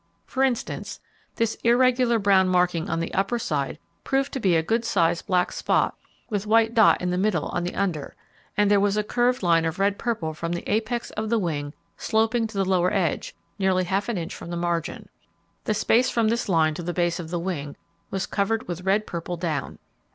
For instance, this irregular brown marking on the upper side proved to be a good sized black spot with with white dot in the middle on the under; and there was a curved line of red purple from the apex of the wing sloping to the lower edge, nearly half an inch from the margin. The space from this line to the base of the wing was covered with red purple down.